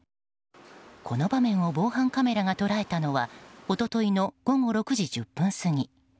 この場面を防犯カメラが捉えたのは一昨日の午後６時１０分過ぎ。